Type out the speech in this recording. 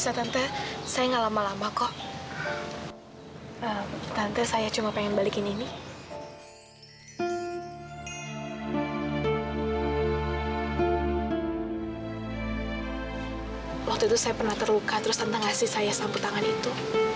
saya pernah terluka terus tante ngasih saya sapu tangan itu